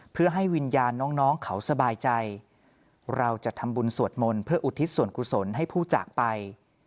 เพื่อให้วิญญาณน้องเขาสบายใจเราจะทำบุญสวดมนต์เพื่ออุทิศส่วนกุศลให้ผู้จากไป